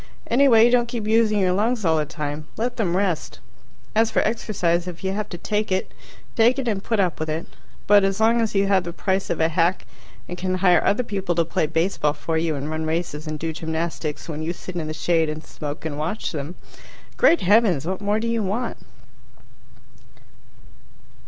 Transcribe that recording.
Anyway, don't keep using your lungs all the time. Let them rest. As for exercise, if you have to take it, take it and put up with it. But as long as you have the price of a hack and can hire other people to play baseball for you and run races and do gymnastics when you sit in the shade and smoke and watch them great heavens, what more do you want?